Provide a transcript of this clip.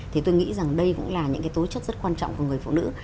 thì tôi nghĩ rằng đây cũng là những cái tố chất rất quan trọng của người phụ nữ